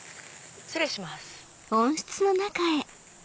失礼します。